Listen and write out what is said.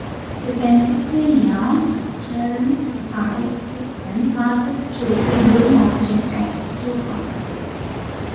The Pennsylvania Turnpike system passes through the Blue Mountain at two points.